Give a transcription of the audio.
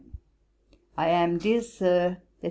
'I am, dear Sir, &c.